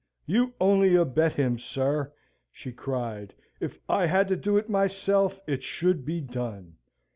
"You only abet him, sir!" she cried. "If I had to do it myself, it should be done!"